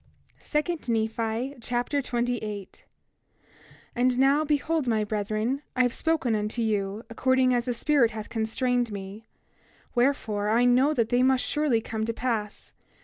2 Nephi Chapter 28 28:1 And now, behold, my brethren, I have spoken unto you, according as the Spirit hath constrained me; wherefore, I know that they must surely come to pass.